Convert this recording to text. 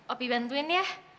opi bantuin ya